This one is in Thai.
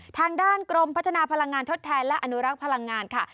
ทางด้านกรมพัฒนาพลังงานทดแทนและอนุรักษ์พลังงานค่ะ